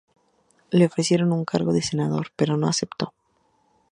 Le ofrecieron un cargo de senador pero no aceptó.